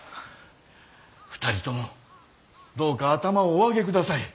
２人ともどうか頭をお上げください。